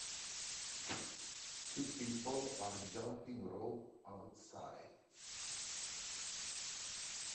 Two people are jumping rope outside.